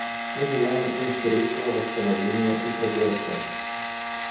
Мы желаем им скорейшего восстановления и прогресса.